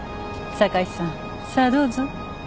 酒井さんさあどうぞ。